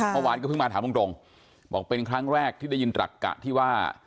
เมื่อวานก็เพิ่งมาถามตรงบอกเป็นครั้งแรกที่ได้ยินตักกะที่ว่า